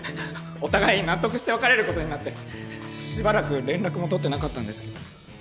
お互いに納得して別れることになってしばらく連絡も取ってなかったんですけど。